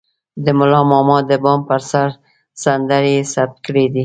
د ملا ماما د بام پر سر سندرې يې ثبت کړې دي.